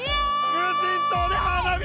無人島で花火だ！